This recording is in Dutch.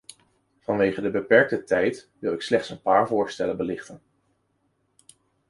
Vanwege de beperkte tijd wil ik slechts een paar voorstellen belichten.